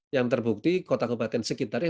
yang terbukti kota kebaten sekitarnya